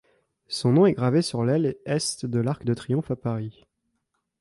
Son nom est gravé sur l’aile Est de l’Arc de Triomphe à Paris.